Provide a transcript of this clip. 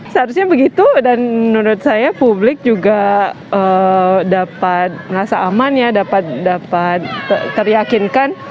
seharusnya begitu dan menurut saya publik juga dapat merasa aman ya dapat teryakinkan